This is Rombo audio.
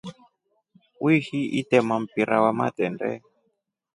Wishi itema mpira wa matendee?